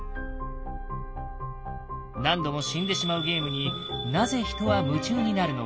何度も死んでしまうゲームになぜ人は夢中になるのか？